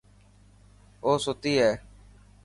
اوستي هي.